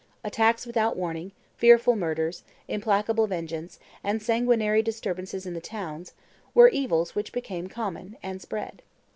Attacks without warning, fearful murders, implacable vengeance, and sanguinary disturbances in the towns, were evils which became common, and spread.